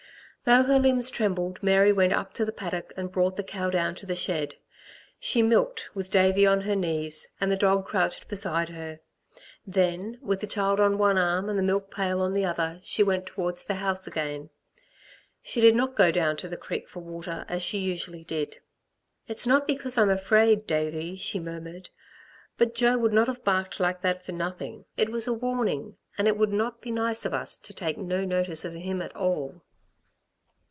Though her limbs trembled, Mary went up to the paddock and brought the cow down to the shed. She milked, with Davey on her knees and the dog crouched beside her; then, with the child on one arm and the milk pail on the other, she went towards the house again. She did not go down to the creek for water as she usually did. "It's not because I'm afraid, Davey," she murmured, "but Jo would not have barked like that for nothing. It was a warning, and it would not be nice of us to take no notice of him at all."